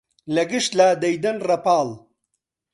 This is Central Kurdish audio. لە گشت لا دەیدەن ڕەپاڵ